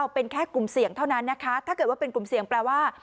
เป็นแค่กลุ่มเสี่ยงเท่านั้นนะคะถ้าเกิดว่าเป็นกลุ่มเสี่ยงแปลว่า